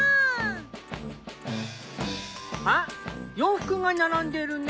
あっ洋服が並んでるね。